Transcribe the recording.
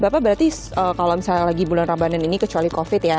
bapak berarti kalau misalnya lagi bulan ramadhan ini kecuali covid ya